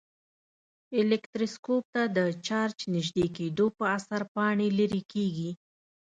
الکتروسکوپ ته د چارج نژدې کېدو په اثر پاڼې لیري کیږي.